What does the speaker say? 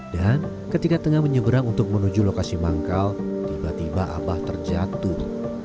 dan ketika tengah menyeberang untuk menuju lokasi manggal tiba tiba abah terjatuh